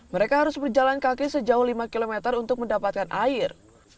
mereka harus berjalan kaki sejauh lima km untuk mendapatkan air